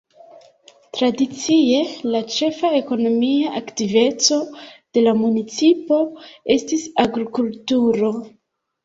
Tradicie la ĉefa ekonomia aktiveco de la municipo estis agrikulturo.